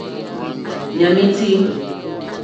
Ɲàm í tí.